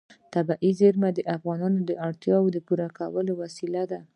طبیعي زیرمې د افغانانو د اړتیاوو د پوره کولو وسیله ده.